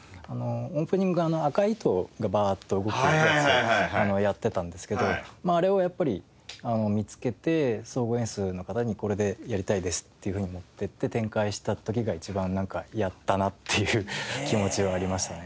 オープニングが赤い糸がバーッと動くやつやってたんですけどあれをやっぱり見つけて総合演出の方にこれでやりたいですっていうふうに持ってって展開した時が一番「やったな」っていう気持ちはありましたね。